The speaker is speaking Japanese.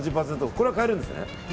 これは買えるんですね。